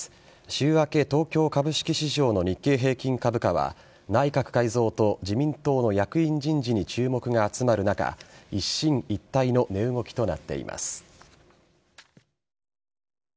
週明け、東京株式市場の日経平均株価は、内閣改造と自民党の役員人事に注目が集まる中、一進一退の値動きとなっています。